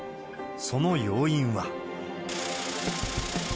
その要因は。